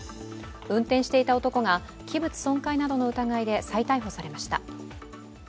運転していた男が器物損壊などの疑いで再逮捕されました。